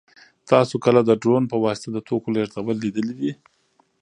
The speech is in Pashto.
تاسو کله د ډرون په واسطه د توکو لېږدول لیدلي دي؟